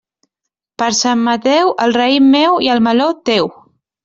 Per Sant Mateu, el raïm meu i el meló, teu.